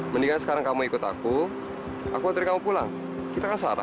mendingan sekarang kamu ikut aku aku dari kamu pulang kita kan salah